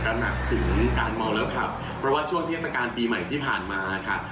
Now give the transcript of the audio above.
ระหนักถึงการเมาแล้วขับเพราะว่าช่วงเทศกาลปีใหม่ที่ผ่านมาค่ะ